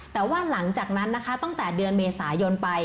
แต่ว่าหลังจากนั้นนะคะตั้งแต่เดือนเมษายนไป